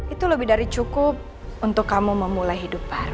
itu lebih dari cukup untuk kamu memulai hidup baru